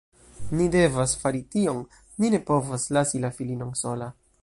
Ni devas fari tion. Ni ne povas lasi la filinon sola.